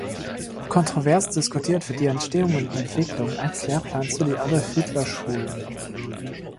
Kontrovers diskutiert wird die Entstehung und Entwicklung eines Lehrplans für die Adolf-Hitler-Schulen.